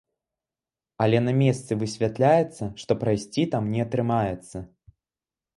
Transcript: Але на месцы высвятляецца, што прайсці там не атрымаецца.